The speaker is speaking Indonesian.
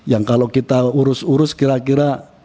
yang kalau kita urus urus kira kira